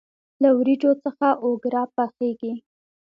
له وریجو څخه اوگره پخیږي.